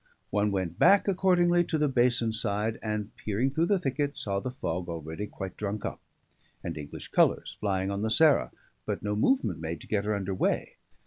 One went back accordingly to the basin side and (peering through the thicket) saw the fog already quite drunk up, and English colours flying on the Sarah, but no movement made to get her under way.